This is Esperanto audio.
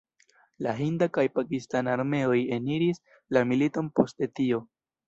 La hinda kaj pakistana armeoj eniris la militon poste tio.